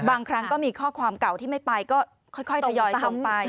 บางครั้งก็มีข้อความเก่าที่ไม่ไปก็ค่อยทยอยส่งไป